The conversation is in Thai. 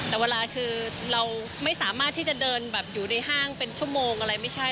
แต่เวลาคือเราไม่สามารถที่จะเดินแบบอยู่ในห้างเป็นชั่วโมงอะไรไม่ใช่